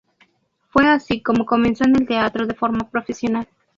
Fue así como comenzó en el teatro de forma profesional.